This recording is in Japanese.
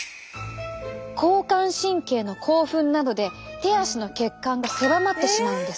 交感神経の興奮などで手足の血管が狭まってしまうんです。